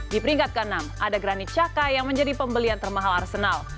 di peringkat ke enam ada granit chaka yang menjadi pembelian termahal arsenal